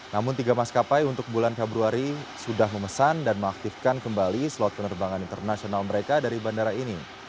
namun tiga maskapai untuk bulan februari sudah memesan dan mengaktifkan kembali slot penerbangan internasional mereka dari bandara ini